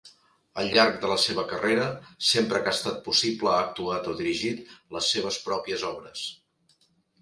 Al llarg de la seva carrera, sempre que ha estat possible ha actuat o dirigit les seves pròpies obres.